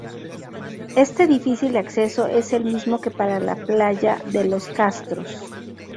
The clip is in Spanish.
Este difícil acceso es el mismo que para la Playa de Los Castros.